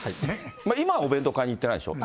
今はお弁当買いに行ってないでしょ。